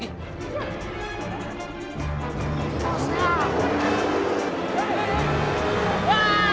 iya jang cepet